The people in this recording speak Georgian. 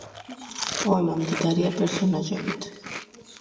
პოემა მდიდარია პერსონაჟებით